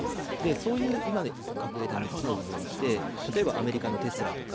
そういう掲げた３つの部分って例えばアメリカのテスラとか。